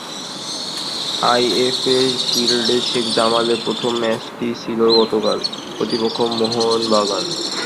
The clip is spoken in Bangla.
আইএফএ শিল্ডে শেখ জামালের প্রথম ম্যাচটি ছিল গতকাল, প্রতিপক্ষ মোহনবাগান।